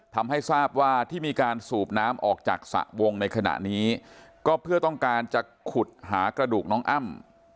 ทำให้ทราบว่าที่มีการสูบน้ำออกจากสระวงในขณะนี้ก็เพื่อต้องการจะขุดหากระดูกน้องอ้ำ